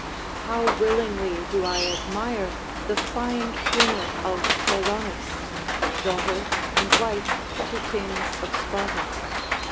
How willingly do I admire the fine humour of Cheilonis, daughter and wife to kings of Sparta.